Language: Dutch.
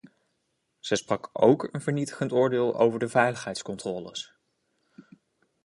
Zij sprak ook over een vernietigend oordeel over de veiligheidscontroles.